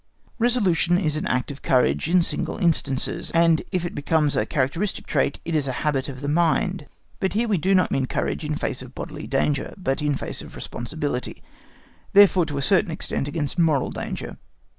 Resolution is an act of courage in single instances, and if it becomes a characteristic trait, it is a habit of the mind. But here we do not mean courage in face of bodily danger, but in face of responsibility, therefore, to a certain extent against moral danger.